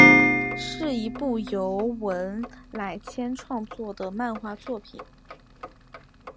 是一部由文乃千创作的漫画作品。